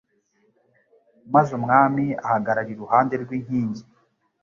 Maze umwami ahagarara iruhande rw inkingi